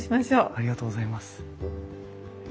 ありがとうございます。